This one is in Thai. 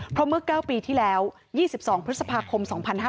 เพราะเมื่อ๙ปีที่แล้ว๒๒พฤษภาคม๒๕๕๙